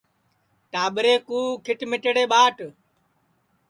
ٹاٻریں کُو کھیٹ میٹڑے ٻاٹ